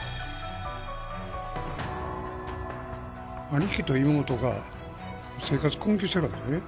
兄貴と妹が生活困窮してるわけですよね。